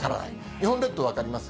日本列島分かります。